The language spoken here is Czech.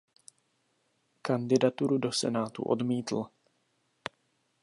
Kandidaturu do senátu odmítl.